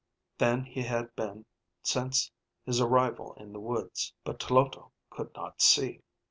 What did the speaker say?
_) than he had been since his arrival in the woods. But Tloto could not see.